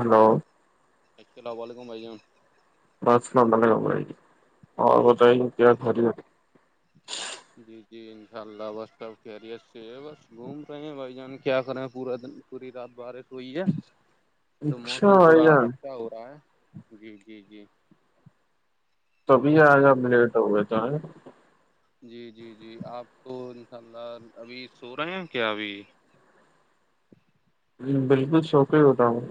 hello اکلا ہو والے گھمائی جاان [unintelligible] بس ن بل ہو جائے گی اور بتائی گے کیا گھڑی ہو جی جی انشاء اللہ بس سب کیریر سے ہے بس گھومتے ہیں بھائی جان کیا کریں ہیں پورا دن پوری رات بارش ہوئی ہے تو اچھا موسم بھائی تھوڑا جان ہو رہا ہے جی جی جی [unintelligible] تبھی آ جا بس اب لیٹ ہو گئے تو ہیں جی جی جی آپ کو انشاء اللہ ابھی سو رہے ہیں کیا ابھی بالکل شوق ہی ہوتا مھے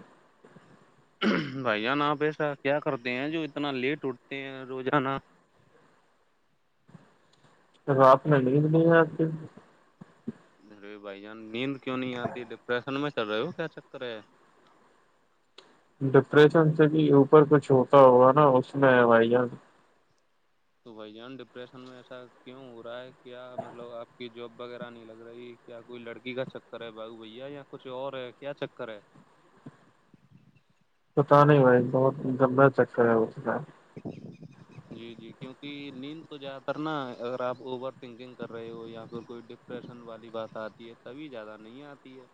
بھائیا ن پیسا کیا کرتے ہیں جو اتنا لیٹ اٹھتے ہیں روزانہ رپن لیند نہیں ارے بھائی جان نیند کیوں نہیں آتی ڈپریشن میں چل رہے ہو کیا چکر ہے ڈپریشن سے بھی اوپر کچھ ہوتا ہوا نا اس میں ہے وائی تو بھائی جان ڈپریشن میں ایسا کیوں ہو رہا ہے کیا مطلب آپ جاب وغیرہ نہیں لگ رہی کیا کوئی لڑکی کا چکر ہے بابو بھیا یا کچھ اور ہے کیا چکر ہے پتا نہیں بھائی بہت گندا چکر ہے اس کا [inaudible] جی جی کیوںکہ نیند تو زیادہ تر نا اگر آپ اوور تھنکنگ کر رہے ہو یا پھر کوئی ڈ ڈریشن والی بات آتی ہے تبھی زیادہ نہیں آتی ہے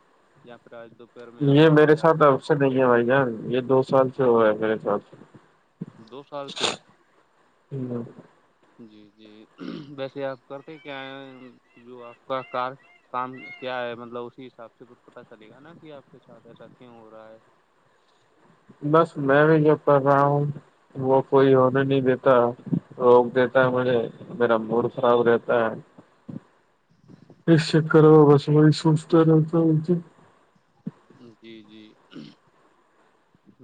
یا پھر آج تو میں آپ یہ سو میرے جاتے ساتھ ہیں اب [unintelligible] سے نہیں ہے بھائی جان یہ دو سال سے ہوا ہے میرے حال سے دو سال سے ہوں، جی جی ویسے آپ کرتے کیا جو آپ کا کار کام کیا ہے مطلب اسی حساب سے پھر پتا چلے گا نا کہ آپ کے ایسا کیوں ہو رہا ہے بس میں بھی جب کر رہا ہوں [unintelligible] وہ کوئی ہونے نہیں دیتا روک دیتا ہے مجھے میرا موڈ خراب رہتا ہے [unintelligible] ایک شکرا با بس م سست رہتا ہو جی جی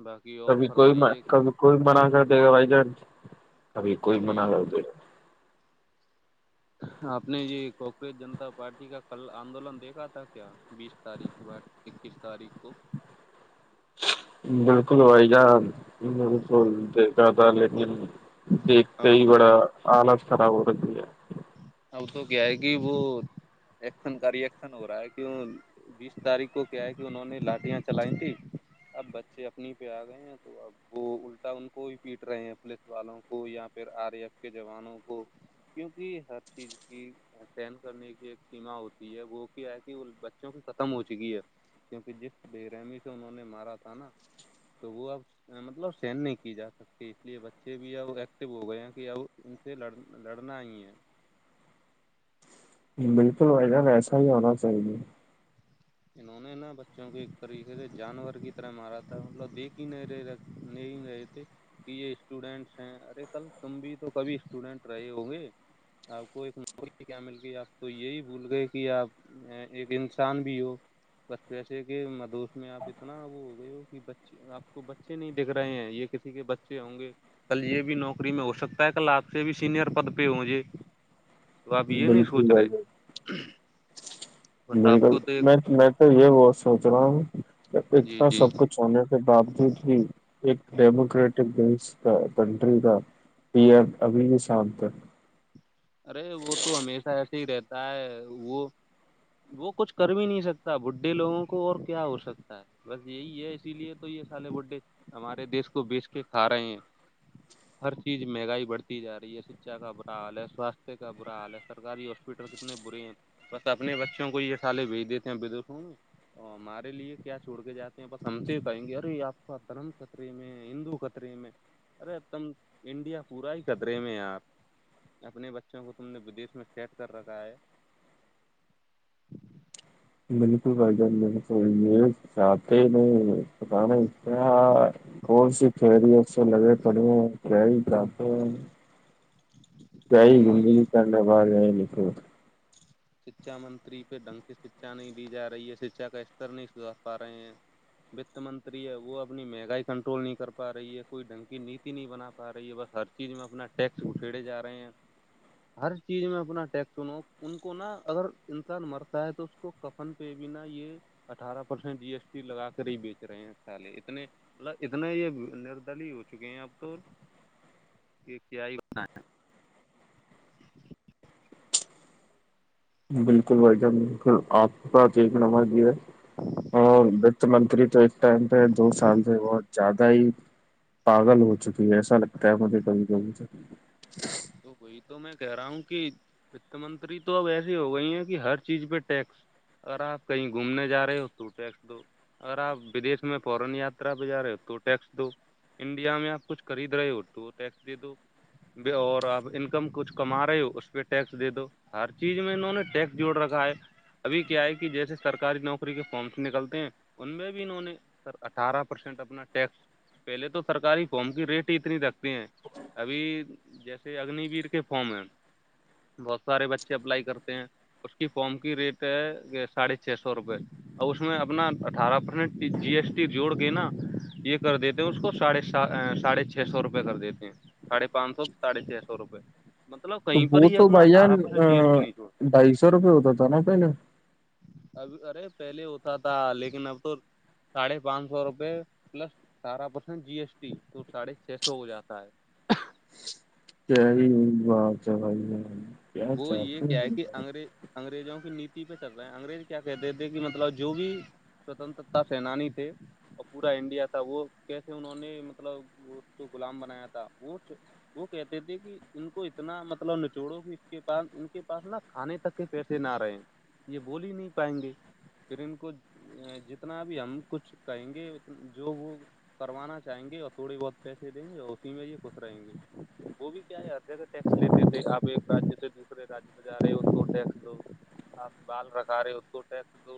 باقی [unintelligible] کبھی کوئی م فرمائیے کبھی کوئی منع کر دے گا بھائی جان کبھی کوئی منع جی کر دے گا آپ نے یہ کوکریج جنتا پارٹی کا کل آندولن دیکھا تھا کیا بیس تاریخ کے بعد اکیس تاریخ کو بالکل بھائی جان بالکل دیکھا تھا ل دیکھتے اب ہی تو بڑا حالت خراب ہو رہی ہے اب تو کیا ہے کہ وہ ایکشن کا ر ایکشن ہو رہا ہے کیوں بیس تاریخ کو کیا ہے کہ انہوں نے لاٹیاں چلائی تیں اب بچے اپنی پہ آ گئے ہیں تو تو اب وہ الٹا ان کو ہی پیٹ رہے ہیں پولیس والوں کو یا پھر آر ا ایف کے جوانوں کو ہر چیز کی سن کرنے کی ایک سیم ہوتی ہے وہ کیا ہے کہ بچوں کی ختم ہو چکی ہے کیونکہ جس بےرمی سے انہوں نے مارا تھا نا تو وہ اب مطلب سین نہیں کی جات سک کہ اس لیے بچے بھی ا ایکٹو ہو گئے ہیں کہ اب ان سے لڑ لڑنا ہی ہے بالکل بھائی جان ایسا ہی ہونا چاہیے انہوں نے نا بچوں کو ایک طریقے جانور کی طرح مارا تھا مطلب دیکھ ہی نہیں رہے نہیں گئے تھے کہ یہ اسٹوڈینٹس ہیں ارے کل تم بھی تو کبھی اسٹوڈینٹ رہے ہ گے آپ کو ایک موقع کیا مل گئی آپ تو یہی بھول گئے کہ آپ ایک انسان بھی ہو بس پیسے کے مدوس میں آپ اتنا وہ ہو گئے ہو کہ بچ آپ کو بچے نہیں دیککھ رہے ہیں یہ کسی کے بچے ہوں گے کل یہ بھی نوکری میں ہو سکتا ہے کل آپ سے بھی سینئر پد پہ ہوںھے تو آپ یہ نہیں بالکل سوچ بھائی رہے بس آپ بالکل کو تو ایک میں تو یہ بت سوچ رہا ہوں جی اتنا جی سب کچھ ہونے کے باوجود بھی ایک ڈیموکریٹک دیس کنٹری کا پم ابھی بھی شانت ارے وہ تو ہمیشہ ایسے ہی رہتا ہے وہ وہ کچھ کر بھی نہیں سکتا بڈھے لوگوں کو اور کیا ہو سکتا ہے بس یہی ہے اسی لیے تو یہ سالے بھے ہمارے دیش کو بیچ کے کھا رہے ہیں ہر چیز مہنگائی بڑھتی جا رہی ہے شچا کا برا حال ہے واسے کا برا حال ہے سرکاری ہاسپٹل کتنے برے ہیں بس اپنے بچوں کو یہ تھالے بھیج دیتے ہیں بے دوں ا ہمارے لیے کیا چھوڑ کے جاتے ہیں بس ہم سے ہی بتائیں گے رے آپ کا دھرم خطرے میں ہندو خطرے میں ارے تم انڈیا پورا ہی قدرے میں یار اپنے بچوں کو تم نے ودش میں سیٹ کر رکھا ہے بالکل بھ جان تو چاہتے ہی نہیں پتانا اس کیا کون سی کریی ہے س لگے پڑ کیا جات جئی ابھی گ یہ دلی کڈ بار ج تھ [unintelligible] شکچھا منتری پہ ڈھنگ سے شکچھا نہیں دی جا رہی ہے شکچھا کا استر نہیں سدھار پا رہے ہیں وت منتری ہے وہ اپنی مہنگائی کنٹرول نہیں کر پا رہی ہے کوئی ڈھنگ کی نیتی نہیں بنا رہی ہے بس ہر چیز میں اپنا ٹیکس اٹھیڑے رہے ہیں ہر چیز میں اپنا ٹیکسنوں ان کو نا اگر انسان مرتا ہے تو اس کو کفن پہ بھی نہ یہ اٹھارہ پرسینٹ جی ایس ٹی لگا کر ہی بیچ رہے ہیں سالے اتنے مطلب اتنا یہ نردلی ہو چکے ہیں اب تو یہ کیا ہی بتیں [inaudible] بالکل بٹان بالکل آپ کو کیا ت نمر دی ہے اور وت منتری تو اس ٹائم پہ دو سال تھ وہ زیادہ ہی پاگل ہو چکی ہے ایسا لگتا ہے مجھے کبھی کبھی سے تو وہی تو میں کہہ رہا ہوں کہ وت منتری تو اب ایسی ہو گئی ہیں کہ ہر چیز پہ ٹیکس اگر آپ کہیں گھومنے جا رہے ہو تو ٹیکس دو اگر آپ ودش میں فورن یاترا پہ جا رہے ہو تو ٹیکس دو انڈیا میں آپ کچھ خرید رہے ہو تو ٹیکس دے دو اور آپ انکم کچھ کما رہے ہو اس پہ ٹیکس دے دو ہر چیز میں انہوں نے ٹیکس جوڑ رکھا ہے ابھی کیا ہے کہ جیسے سرکاری نوکری کے فارمس نکلتے ہیں ان میں بھی انہوں نے سر اٹھارہ پرسینٹ اپنا ٹیکس پہلے تو سرکاری فارم کی ریٹ ہی اتنی رکھتے ہیں ابھی جیسے اگنی ویر کے فارم ہے بہت سارے بچے اپلائی کرتے ہیں اس کی فارم کی ریٹ ہے ساڑھے چھ سو روپے اور اس میں اپنا اٹھارہ پرسینٹ جی ایس ٹی جوڑ کے نا یہ کر دیتے ہیں اس کو ساڑھے س ساڑھے چھ سو روپے کر دیتے ہیں ساڑھے پانچ سو ساڑھے چھ سو روپے مطلب تو کہیں پر وہ ہی تو اپنا بھائی اٹھارہ جان پرسینٹ جی ایس ٹی نہیں چھو ڈھائی سو روپئے ہوتا تھا ن پہے اب ارے پہلے ہوتا تھا لیکن اب تو ساڑھے پانچ سو روپے پلس اٹھارہ پرسینٹ جی ایس ٹی تو ساڑھے چھ سو ہو جاتا ہے [unintelligible] وہ یہ چاہتے کیا ہے کہ ہیں انگریز انگریزوں کی نیتی پہ چل رہے انگریز کیا کہتے تھے کہ مطلب جو بھی سوتنترتا سینانی تھے اور پورا انڈیا تھا وہ کیسے انہوں نے مطلب وہ غلام بنایا تھا وہ وہ کہتے تھے کہ ان کو اتنا مطلب نچوڑو ک کے پاس ان کے پاس نا کھانے تک کے پیسے نہ رہے ہیں یہ بول ہی نہیں پائیں گے پھر ان کو جتنا بھی ہم کچھ کہیں گے جو وہ کروانا چاہیں گے اور تھوڑی بہت پیسے دیں گے اور اسی میں یہ خوش رہیں گے وہ بھی کیاتے ا ٹیکس لیتے تھے آپ ایک سے دوسرے رج پ جا رہے ہو اس ٹیکس دو بال رکھا رہے اس ٹیکس دو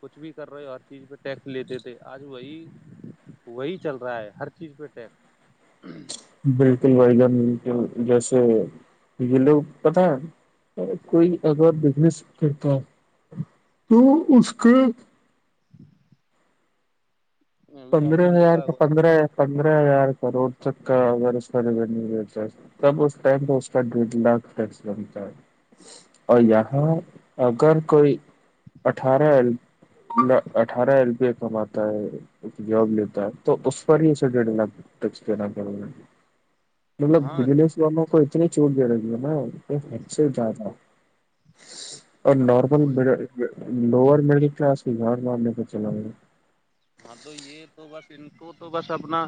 کچھ بھی کر رہے ہو ہر چیز پہ ٹیکس لیتے تھے آج وہی وہی چل رہا ہے ہر چیز پہ ٹیکس بالکل ویگان بکل جیسے یہ لوگ پت ہے کوئی اگر بزنس کرتا ہے تو اس کے ابھی آپ پندرہ نے ہزار دیکھا کا ہوا کہ پندرہ پندرہ ہزار کروڑ تک کا ا اس کاتا تب اس ٹائم تو اس کا ڈیھ لاکھ ف بنتا ہے اور یہاں اگر کوئی اٹھارہ اٹھارہ ایربیہ کماتا ہے ایک جاب لیتا ہے تو اس پر ہیے ڈیڑھ لاکھ ٹیکس پینا کرے مطلب ہاں بجلس والوں کو اتنی چوٹ دے رہی ہے نا ا سے زیادہ اور نارمل لور مڈل کلاس کے گے چلاا ہاں تو یہ تو بس ان کو تو بس اپنا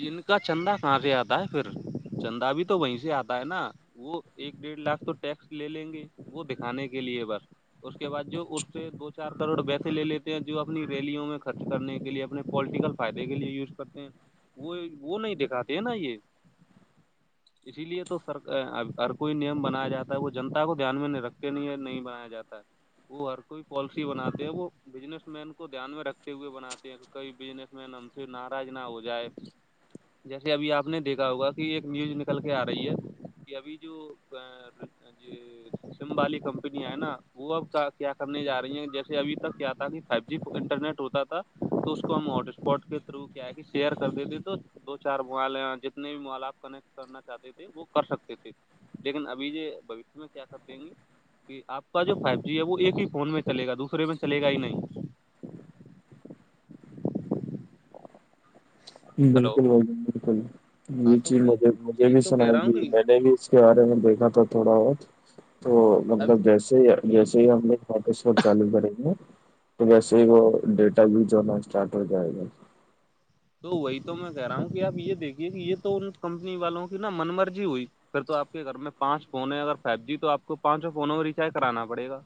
جن کا چندہ کہاں سے آتا ہے پھر چندا بھی تو وہیں سے آتا ہے نا وہ ایک ڈیڑھ لاکھ تو ٹیکس لے لیں گے وہ دکھانے کے لیے بس اس کے بعد جو ا سے دو چار کروڑ ویسے لے لیتے ہیں جو اپنی ریلیوں میں خرچ کرنے کے لیے اپنے پلیٹیکل فائدے کے لیے یوز کرتے ہیں وہ وہ نہیں دکھاتے ہیں نا یہ اسی لیے تو سر ہر کوئی نیم بنایا جاتا ہے وہ جنتا کو دھیان میں رکھتے نہیں ہے نہیں بنایا جاتا ہے وہ ہر کوئی پالیسی بناتے ہیں وہ بزنس مین کو دھیان میں رکھتے ہوئے بناتے ہیں کہ کئی بزنس مین ہم سے ناراض نہ ہو جائے جیسے ابھی آپ نے دیکھا ہوگا کہ ایک نیوز نکل کے آ رہی ہے کہ ابھی جو سم والی کمپنییاں ہیں نا وہ اب کیا کرنے جا رہی ہیں جیسے ابھی تک کیا آتا کہ فو جی انٹرنیٹ ہوتا تھا تو اس کو ہم ہاٹ اسپاٹ کے تھرو کیا ہے کہ شیئر کر دیتے تو دو چار موبائل جتنے بھی موائل آپ کنیکٹ کرنا چاہتے تھے وہ کر سکتے تھے لیکن ابھی یہ بھشیہ میں کیا سب دیں گے کہ آپ کا جو فائیو جی ہے وہ ایک ہی فون میں چل گا دوسرے میں چلے گا ہی نہیں ہلو بالکل بکل بالکل ہاں یہ تو چیز وہ مجھے مجھے یہی بھی تو کہہ سنائی رہا ہوں تھی کہ میں نے بھی اس کے بارے میں دیکھا تھا تھوڑا بہت تو اب مطلب جیسے ہی جیسے ہی ہم نے واپس وقت چالو کریںے تو ویسے ہی وہ ڈیٹا یوز ہونا اسٹارٹ ہو جائے گا تو وہی تو میں کہہ رہا ہوں کہ آپ یہ دیکھیے کہ یہ تو ان کمپنی والوں کی نا من مرضی ہوئی پھر تو آپ کے گھر میں پانچ فون ہیں اگر فائیو جی تو آپ کو پانچوں فونوں میں ریچارج کرانا پڑے گا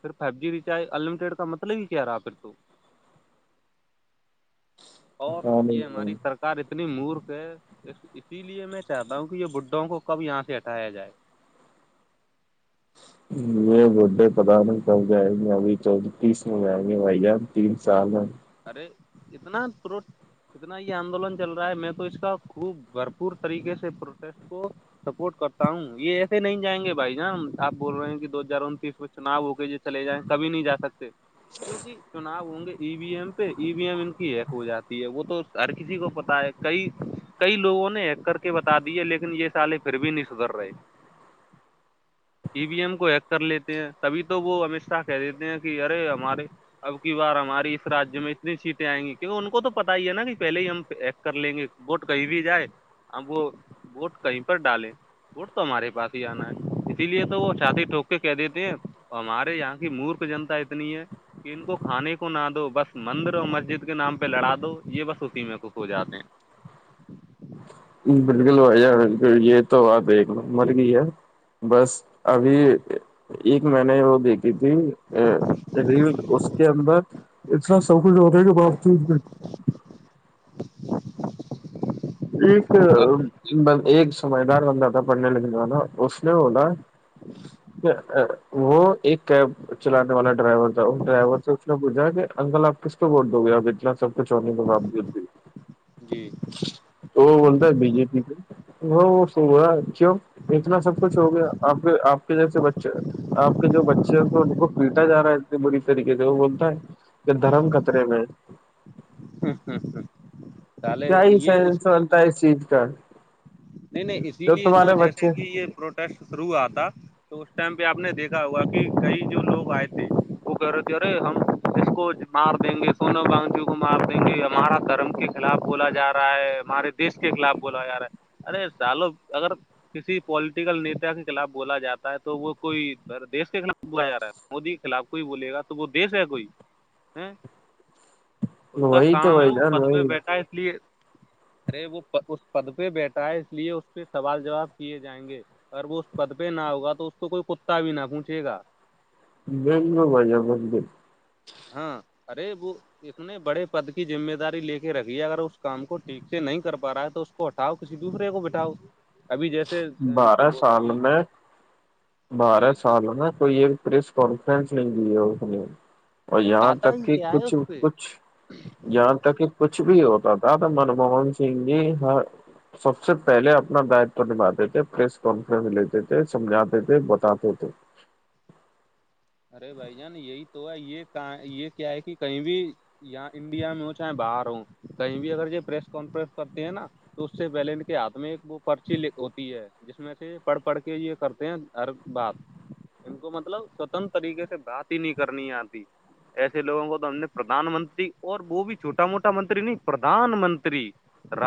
پھر فائیو جی ریچارج ان لٹیڈ کا مطلب کہہ رہا پھر تو اور پتا یہ نہیں ہماری سرک کار اتنی مورخ ہے اسی لیے میں چاہتا ہوں کہ یہ بڈھوں کو کب یہاں سے ہٹایا جائے یہ وڈے پدان کر جائیں گے ابھی چوتیس میں جائیں گے بھیا تین سال ہیں ارے اتنا پرو اتنا یہ آندولن چل رہا ہے میں تو اس کا خوب بھرپور طریقے سے پروٹیسٹ کو سپورٹ کرتا ہوں یہ ایسے نہیں جائیں گے بھائی ج آپ بول رہے ہیں کہ دو ہزار انتیس میں چناؤ ہو کے ج چلے جائیں کبھی نہیں جا سکتے کیونکہ چناؤ ہوں گے ای وی ایم پھر ای وی ایم ان کی ہے ہو جاتی ہے وہ تو ہر کسی کو پتا ہے کئی کئی لوگوں نے ہیک کر کے بتا دی ہے لیکن یہ سالے پھر بھی نہیں سدھر رہے ای وی ایم کو ہ کر لیتے ہیں تبھی تو وہ امت شاہ کہ دیتے ہیں کہ یرے ہمارے اب کی بار ہماری اس رجیہ میں کتنی سیٹیں آئیں گی کیونکہ ان کو تو پتا ہی ہے نا کہ پہلے ہی ہم ایکیک کر لیں گے ووٹ کہیں بھی جائے اب وہ ووٹ کہیں پر ڈالیں ووٹ تو ہمارے پاس ہی جانا ہے اسی لیے تو وہ چھاتی ٹوک کے کہ دیتے ہیں ہمارے یہاں کی مورکھ جنتا اتنی ہے ان کو کھانے کو نہ دو بس مندر اور مسجد کے نام پہ لڑا دو یہ بس اسی میں ک ہو جاتے ہیں بالکل بائیار یہ تو آ دیکھ ل مر گئی بس ابھی ایک میں نے وہ دیکھیھی تھی ا ریل اس کے اندر اتنا سب کچھ ہوتا ہے کہ ب چ ایک ایک سمجھدار بنتا تھا پڑھنے لکھنے والا اس نے بولا کہ وہ ایک کیب چلانے والا ڈرائیور تھا اس ڈرائیور سے اس نے پوچھا کہ انکل آپ کس کو ووٹ دو گے انا سب کچھ ہونے کے باوجود بھی جی وہ بولتا ہے بی جے پی کے وہ وہ سو ہوا کیوں اتنا سب کچھ ہو گیا آپ کے آپ کے جیسے بچے آپ کے جو بچے ہیں تو ان کو پیٹا جا رہا ہے انے بری طریقے سے وہ بولتا ہے دھرم خطرے میں ہ ہلے کیا ہی یہ سائنس بنتا چیز کا نہیں نہیں اسی جو لیے تو تمہارے جیسے بچے کہ یہ پروٹیسٹ شروع ہوا تھا تو اس ٹائم پہ آپ نے دیکھا ہوگا کہ کئی جو لوگ آئے تھے وہ کہہ رہے تھے ارے ہم اس کو [unintelligible] مار دیں گے سونو گانچھی کو مار دیں گے ہمارا دھرم کے خلاف بولا جا رہا ہے ہمارے دیش کے خلاف بولا یارا ارے سالو اگر کسی پولیٹیکل نیتا کے خلاف بولا جاتا ہے تو وہ کوئی دیش کے خلاف بولا جا رہا ہے مودی کے خلاف کوئی بولے گا تو وہ دیس ہے کوئی ہ اس کا وہی تو کام ہے بھائی وہ جان پد پہ وہی بیٹھا ہے اس لیے ارے وہ اس پد پہ بیٹھا ہے اس لیے اس پہ سوال جواب کے جائیں گے- اگر وہ اس پد پہ نہ ہوگا تو اس کو کوئی کتا بھی نہ پوچے گا بو ب بے ہاں ارے وہ اس نے بڑے پد کی ذم داری لے کے رکھی ہے اگر اس کام کو ٹھیک سے نہیں کر پا رہا ہے تو- کو ہٹاؤ کسی دوسرے کو ب بیٹھاؤ- ابھی جیسے بارہ وہ سال تمل- میں بارہ جی جی سال ہو نا کوئی یہ پریس کانفرنس نہیں دی ہے اس نے اور یہاں آتا تک ہی کہ کیا ہے کچھ- اس پہ کچھ جاں تک کہ کچھ بھی ہوتا تھا تو منموہن سنگھ جی ہ- سب سے پہلے اپنا داتو نھاتے تھے پریس کانفرنس لیتے تھے سمجاتے- تھے بتات ہو تھے- ارے بھائی جان یہی تو ہے یہ یہ کیا ہے کہ کہیں بھی- یااں انڈیا میں ہووں چاہے باہر ہو کہیں بھی اگر یہ پریس کانفرنس کرتے ہیں نا تو اس سے پہلے ان کے ہاتھ میں ایک وہ پرچی ہوتی ہے جس میں سے یہ پڑھ پڑھ کے یہ کرتے ہیں- ہر بات ان کو مطلب سوتنر طریقے سے بات ہی نہیں کرنی آتی- ایسے لوگوں کو تو ہم نے پردان منتری اور وہ بھی چھوٹا موٹا منتری نہیں پردان منتری- رن